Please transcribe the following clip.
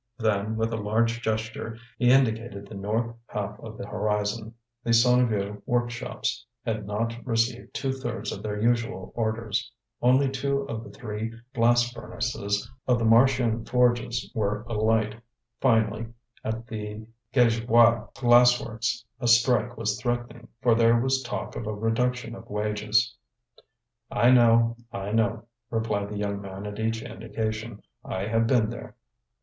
Then, with a large gesture he indicated the north half of the horizon: the Sonneville workshops had not received two thirds of their usual orders; only two of the three blast furnaces of the Marchiennes Forges were alight; finally, at the Gagebois glass works a strike was threatening, for there was talk of a reduction of wages. "I know, I know," replied the young man at each indication. "I have been there."